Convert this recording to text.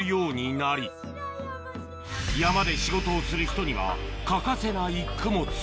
山で仕事をする人には欠かせない供物